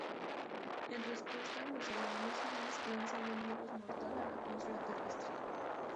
En respuesta, los alienígenas lanzan un virus mortal a la atmósfera terrestre.